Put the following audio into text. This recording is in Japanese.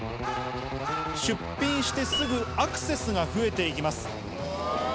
出品してすぐ、アクセスが増えていきます。